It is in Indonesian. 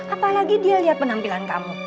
apalagi dia lihat penampilan kamu